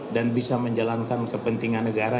dan bisa menjalankan kepentingan negara